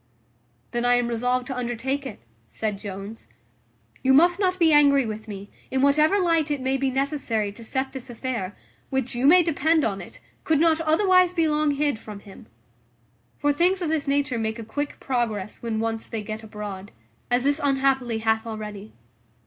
"Then I am resolved to undertake it," said Jones. "You must not be angry with me, in whatever light it may be necessary to set this affair, which, you may depend on it, could not otherwise be long hid from him: for things of this nature make a quick progress when once they get abroad, as this unhappily hath already.